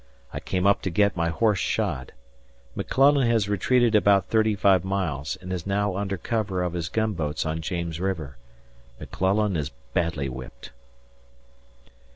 I came up to get my horse shod. McClellan has retreated about thirty five miles and is now under cover of his gun boats on James River. ... McClellan is badly whipped.